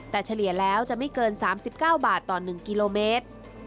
แต่เฉลี่ยแล้วจะไม่เกิน๓๙บาทต่อ๑กิโลเมตร